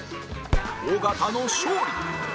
尾形の勝利！